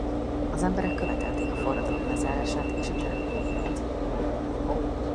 Az emberek követelték a forradalom lezárását és a terror végét.